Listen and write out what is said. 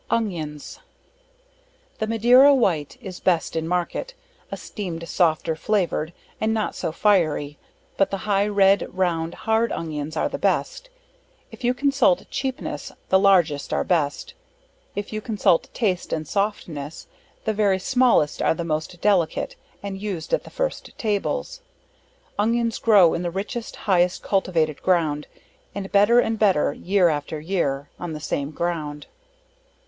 Onions The Madeira white is best in market, esteemed softer flavored, and not so fiery, but the high red, round hard onions are the best; if you consult cheapness, the largest are best; if you consult taste and softness, the very smallest are the most delicate, and used at the first tables. Onions grow in the richest, highest cultivated ground, and better and better year after year, on, the same ground.